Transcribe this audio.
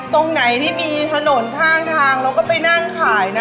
ตรงไหนที่มีถนนข้างทางเราก็ไปนั่งขายนะ